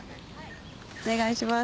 お願いします。